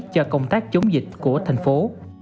cho công tác chống dịch của thành phố